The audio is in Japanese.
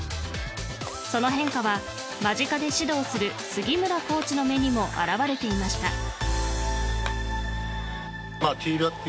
その変化は、間近で指導する杉村コーチの目にも表れていました。